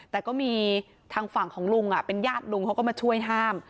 แต่ก็มีทางฝั่งของลุงเป็นญาติลุงเขาก็มาช่วยห้าม